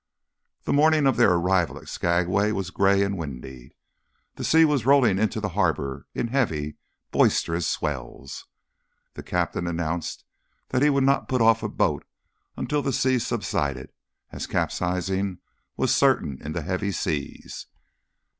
The morning of their arrival at Skagway was gray and windy. The sea was rolling into the harbor in heavy, boisterous swells. The captain announced that he would not put off a boat until the sea subsided, as capsizing was certain in the heavy seas.